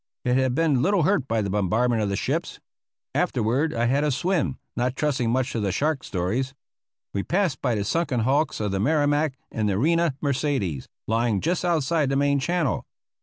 It had been little hurt by the bombardment of the ships. Afterward I had a swim, not trusting much to the shark stories. We passed by the sunken hulks of the Merrimac and the Reina Mercedes, lying just outside the main channel.